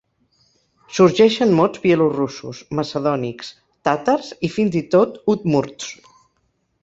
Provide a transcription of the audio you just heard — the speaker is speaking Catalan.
Sorgeixen mots bielorussos, macedònics, tàtars i fins i tot udmurts.